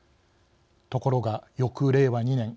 ところが翌令和２年。